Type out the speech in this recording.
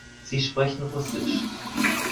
Sie sprechen Russisch.